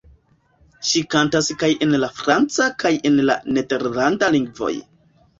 Ŝi kantas kaj en la franca kaj en la nederlanda lingvoj.